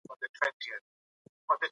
معلم غني د هغه خواته ورغی.